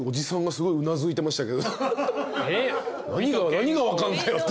何が分かんだよっていう。